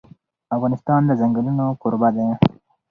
افغانستان د ځنګلونه کوربه دی.